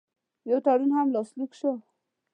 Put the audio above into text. یو تړون هم لاسلیک شو.